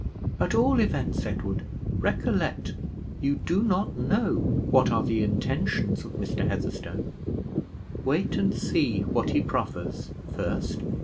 At all events, Edward, recollect you do not know what are the intentions of Mr. Heatherstone; wait and see what he proffers first."